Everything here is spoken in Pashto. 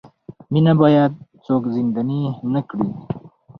مینه باید څوک زنداني نه کړي.